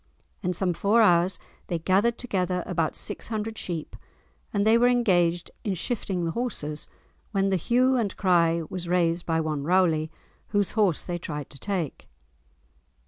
In some four hours they gathered together about six hundred sheep and they were engaged in "shifting" the horses, when the hue and cry was raised by one Rowley, whose horse they tried to take.